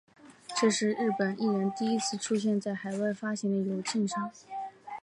这是日本艺人第一次出现在海外发行的邮票上。